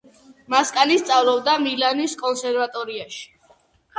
მასკანი სწავლობდა მილანის კონსერვატორიაში.